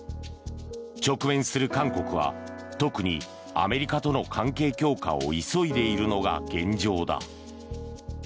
直面する韓国は特にアメリカとの関係強化を急いでいるのが現状だ。